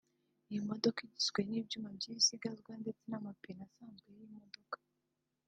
Iyi modoka igizwe n’ibyuma by’ibisigazwa ndetse n’amapine asanzwe y’imodoka